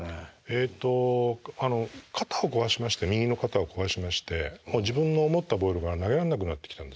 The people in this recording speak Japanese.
えっと肩を壊しまして右の肩を壊しましてもう自分の思ったボールが投げらんなくなってきたんですね。